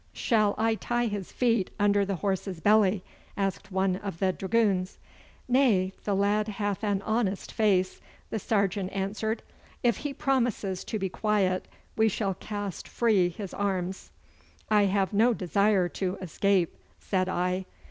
'Shall I tie his feet under the horse's belly?' asked one of the dragoons. 'Nay, the lad hath an honest face,' the sergeant answered. 'If he promises to be quiet we shall cast free his arms.' 'I have no desire to escape,' said I.